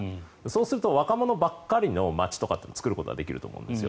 そうすると若者ばっかりの街とかって作ることができると思うんです。